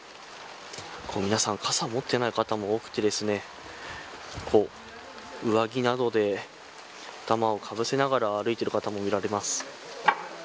皆さん傘を持っていない方も多くて上着などで頭をかぶせながら歩いている方も見られます。